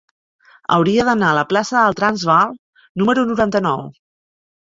Hauria d'anar a la plaça del Transvaal número noranta-nou.